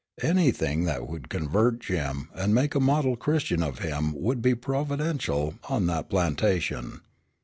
Anything that would convert Jim, and make a model Christian of him would be providential on that plantation.